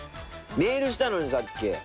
メールしたのにさっき。